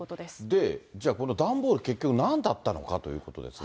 で、じゃあ、この段ボール、結局なんだったのかということなんですが。